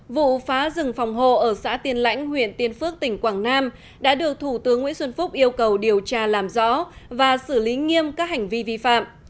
vụ phá rừng phòng hộ ở xã tiên lãnh huyện tiên phước tỉnh quảng nam đã được thủ tướng nguyễn xuân phúc yêu cầu điều tra làm rõ và xử lý nghiêm các hành vi vi phạm